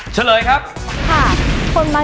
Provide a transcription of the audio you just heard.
สถานีรถไฟไทย